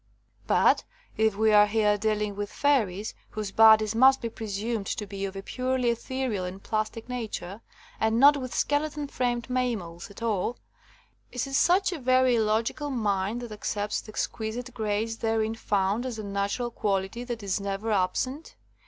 But if we are here deal ing with fairies whose bodies must be pre sumed to be of a purely ethereal and plastic nature, and not with skeleton framed mam mals at all, is it such a very illogical mind that accepts the exquisite grace therein 90 RECEPTION OF THE FIRST PHOTOGRAPHS found as a natural quality that is never ab sent?